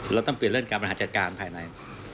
เราต้องเปลี่ยนเรื่องการบริหารจัดการภายใน